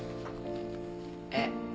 えっ？